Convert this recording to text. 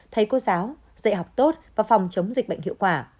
thầy cô giáo dạy học tốt và phòng chống dịch bệnh hiệu quả